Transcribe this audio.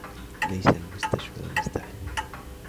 ليس المستشفى مزدحم.